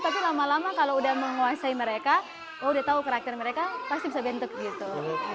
tapi lama lama kalau udah menguasai mereka oh udah tahu karakter mereka pasti bisa bentuk gitu